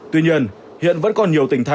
tuy nhiên hiện vẫn còn nhiều tỉnh thành